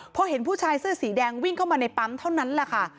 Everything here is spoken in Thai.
พอเห็นผู้ชายเสื้อสีแดงวิ่งเข้ามาในปั๊มเท่านั้นแหละค่ะ